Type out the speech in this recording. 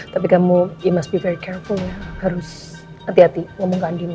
tapi kamu must be very careful ya harus hati hati ngomong ke andi nih